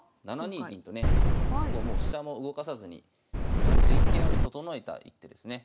７二銀とねもう飛車も動かさずにちょっと陣形をね整えた一手ですね。